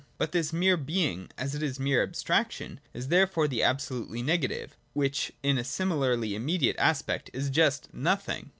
87.] But this mere Being, as it is mere abstraction, is therefore the absolutely negative : which, in a simi larly immediate aspect, is just Nothing.